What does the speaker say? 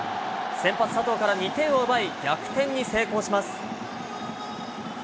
先発、佐藤から２点を奪い、逆転に成功します。